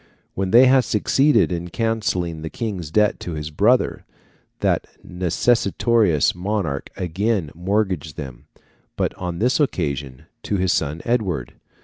When they had succeeded in cancelling the King's debt to his brother, that necessitous monarch again mortgaged them, but on this occasion to his son Edward.